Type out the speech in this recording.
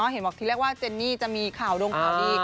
เห็นบอกทีแรกว่าเจนนี่จะมีข่าวดงข่าวดี